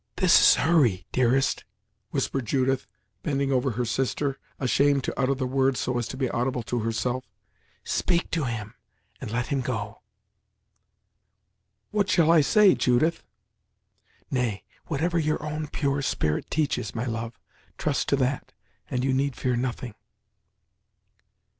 "This is Hurry, dearest," whispered Judith, bending over her sister, ashamed to utter the words so as to be audible to herself. "Speak to him, and let him go." "What shall I say, Judith?" "Nay, whatever your own pure spirit teaches, my love. Trust to that, and you need fear nothing."